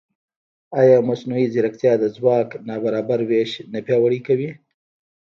ایا مصنوعي ځیرکتیا د ځواک نابرابر وېش نه پیاوړی کوي؟